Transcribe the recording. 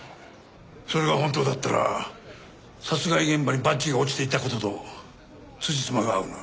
それが本当だったら殺害現場にバッジが落ちていた事とつじつまが合うな。